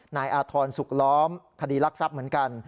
นายอาธรณ์สุขล้อมคดีรักทรัพย์เหมือนกัน